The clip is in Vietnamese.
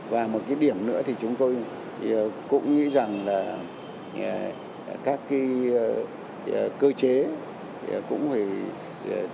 và một cái điểm nữa thì chúng tôi cũng nghĩ rằng là các cơ chế cũng phải